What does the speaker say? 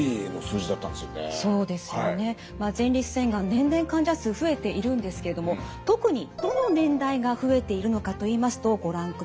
年々患者数増えているんですけれども特にどの年代が増えているのかといいますとご覧ください。